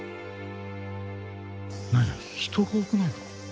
なんや人が多くないか？